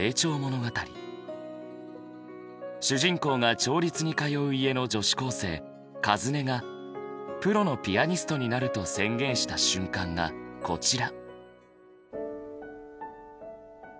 主人公が調律に通う家の女子高生和音がプロのピアニストになると宣言した瞬間がこちら。